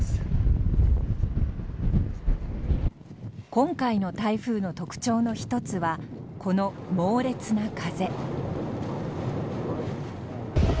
今回の台風の特徴の一つはこの猛烈な風。